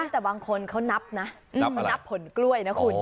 แต่บางคนเขานับนะเขานับผลกล้วยนะคุณ